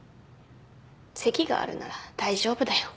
席があるなら大丈夫だよ